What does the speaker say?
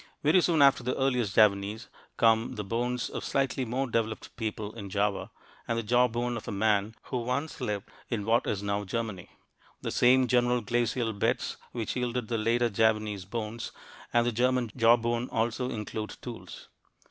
Very soon after the earliest Javanese come the bones of slightly more developed people in Java, and the jawbone of a man who once lived in what is now Germany. The same general glacial beds which yielded the later Javanese bones and the German jawbone also include tools.